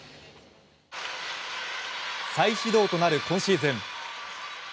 再始動となる今シーズン。